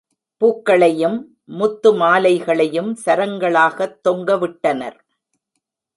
பூக்களையும், முத்து மாலைகளையும் சரங்களாகத் தொங்கவிட்டனர்.